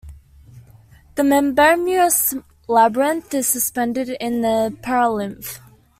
The membranous labyrinth is suspended in the perilymph.